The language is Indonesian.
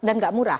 dan tidak murah